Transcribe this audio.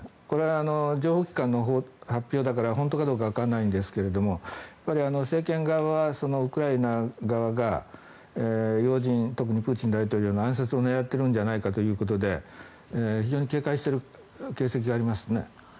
これは情報機関の発表だから本当かどうかわからないんですが政権側はウクライナ側が要人、特にプーチン大統領の暗殺を狙っているんじゃないかということで非常に警戒している形跡がありますね。